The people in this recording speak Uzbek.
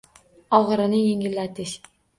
Ogʻirini yengillatish